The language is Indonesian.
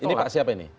ini pak siapa ini